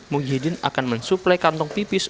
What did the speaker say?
muhyiddin akan mensuplai kantong pipis